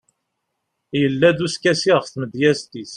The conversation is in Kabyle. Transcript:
yella-d uskasi ɣef tmedyazt-is